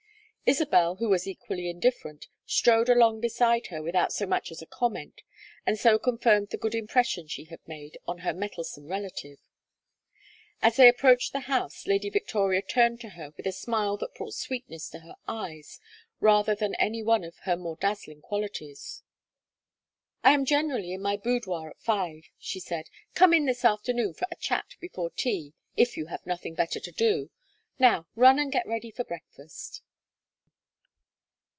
Isabel, who was equally indifferent, strode along beside her without so much as a comment, and so confirmed the good impression she had made on her mettlesome relative. As they approached the house, Lady Victoria turned to her with a smile that brought sweetness to her eyes rather than any one of her more dazzling qualities. "I am generally in my boudoir at five," she said. "Come in this afternoon for a chat before tea, if you have nothing better to do. Now run and get ready for breakfast."